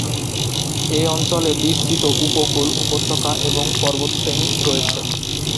এই অঞ্চলে বিস্তৃত উপকূল, উপত্যকা এবং পর্বতশ্রেণী রয়েছে।